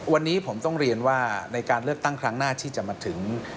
วันนี้ผมต้องเรียนว่าในการเลือกตั้งครั้งหน้าที่จะมาถึง